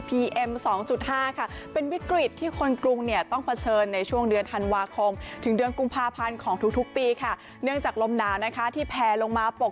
๒๕ค่ะเป็นวิกฤตที่คนกรุงเนี่ยต้องเผชิญในช่วงเดือนธันวาคมถึงเดือนกุมภาพันธ์ของทุกปีค่ะเนื่องจากลมหนาวนะคะที่แพลลงมาปก